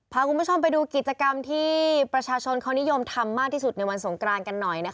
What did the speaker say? พาคุณผู้ชมไปดูกิจกรรมที่ประชาชนเขานิยมทำมากที่สุดในวันสงกรานกันหน่อย